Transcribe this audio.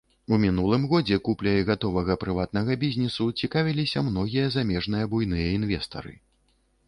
У мінулым годзе купляй гатовага прыватнага бізнесу цікавіліся многія замежныя буйныя інвестары.